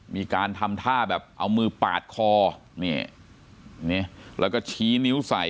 มีการทำท่าแบบเอามือปาดคอนี่แล้วก็ชี้นิ้วใส่